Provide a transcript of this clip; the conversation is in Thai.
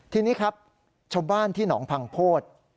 ทีนี้ครับชาวบ้านที่หนองพังโพธิ